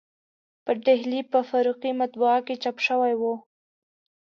په ډهلي په فاروقي مطبعه کې چاپ شوی و.